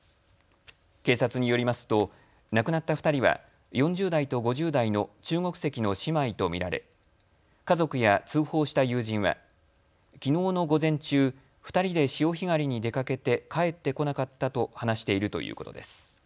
警察によりますと亡くなった２人は４０代と５０代の中国籍の姉妹と見られ家族や通報した友人はきのうの午前中、２人で潮干狩りに出かけて帰ってこなかったと話しているということです。